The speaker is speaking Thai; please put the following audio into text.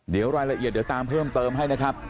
เดี๋ยวรายละเอียดเดี๋ยวตามเพิ่มเติมให้นะครับ